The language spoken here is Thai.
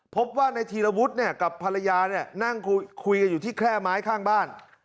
พบว่าในธีรวุฒิเนี่ยกับภรรยาเนี่ยนั่งคุยกันอยู่ที่แคร่ไม้ข้างบ้าน